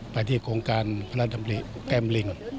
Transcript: ไปที่โครงการพระราชดำริแก้มลิง